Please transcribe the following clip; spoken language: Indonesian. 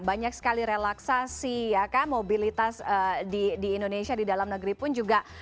banyak sekali relaksasi ya kan mobilitas di indonesia di dalam negeri pun juga